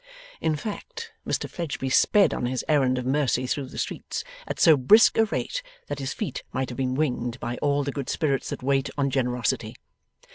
In fact, Mr Fledgeby sped on his errand of mercy through the streets, at so brisk a rate that his feet might have been winged by all the good spirits that wait on Generosity.